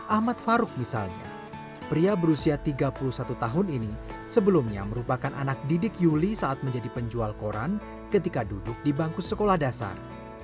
ahmad farouk misalnya pria berusia tiga puluh satu tahun ini sebelumnya merupakan anak didik yuli saat menjadi penjual koran ketika duduk di bangku sekolah dasar